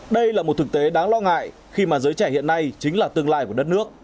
đây là một thực tế đáng lo ngại khi mà giới trẻ hiện nay chính là tương lai của đất nước